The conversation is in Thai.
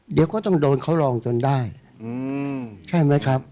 เดี๋ยวก็ต้องโดนเขาลองจนได้ใช่ไหมครับ